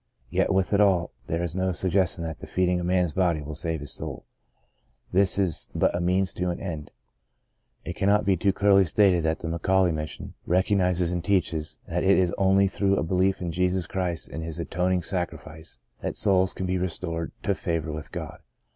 Yet with it all there is no suggestion that the feeding a man's body will save his souL This is but a means to an end. It cannot be too clearly stated that the McAuley Mission The Greatest of These 21 recognizes and teaches that it is only through a behef in Jesus Christ and His atoning sac rifice that souls can be restored to favour with God.